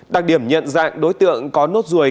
đặc điểm nhận ra đối tượng có nốt ruồi